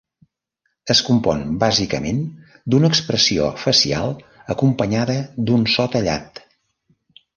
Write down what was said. Es compon bàsicament d'una expressió facial acompanyada d'un so tallat.